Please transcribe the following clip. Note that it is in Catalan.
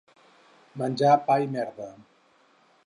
Menjar pa i merda.